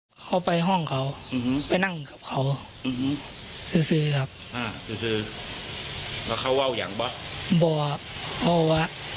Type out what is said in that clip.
แล้วเขาบอกช่วยด้วยกับใครครับผม